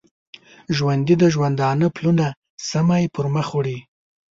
ژوندي د ژوندانه پلونه سمی پرمخ وړي